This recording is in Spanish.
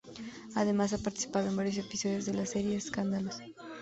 Además ha participado en varios episodios de la serie "Escándalos".